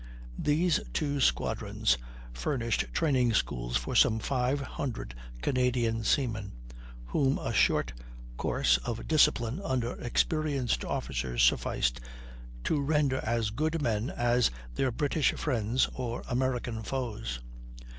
These two squadrons furnished training schools for some five hundred Canadian seamen, whom a short course of discipline under experienced officers sufficed to render as good men as their British friends or American foes.